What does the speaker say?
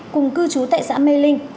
cùng cư trú tại xã mê linh